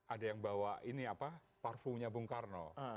ada yang bawa parfumnya bung karno